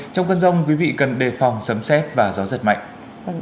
trong cơn rông quý vị cần đề phòng sấm xét và gió giật mạnh